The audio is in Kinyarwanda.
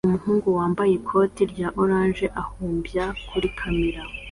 Umuhungu wambaye ikote rya orange ahumbya kuri kamera